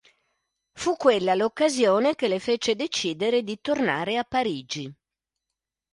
Fu quella l'occasione che le fece decidere di tornare a Parigi.